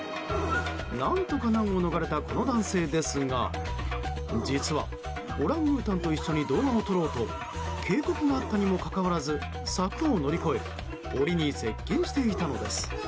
何とか難を逃れたこの男性ですが実はオランウータンと一緒に動画を撮ろうと警告があったにもかかわらず柵を乗り越え檻に接近していたのです。